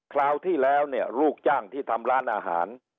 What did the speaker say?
คราวที่แล้วเนี่ยลูกจ้างที่ทำร้านอาหาร